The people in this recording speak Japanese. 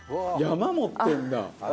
「山持ってるんだ！」